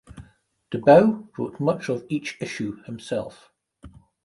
DeBow wrote much of each issue himself.